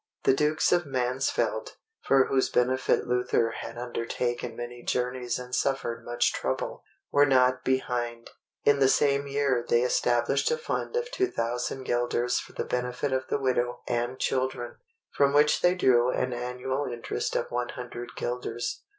The dukes of Mansfeld, for whose benefit Luther had undertaken many journeys and suffered much trouble, were not behind; in the same year they established a fund of 2000 guilders for the benefit of the widow and children, from which they drew an annual interest of 100 guilders.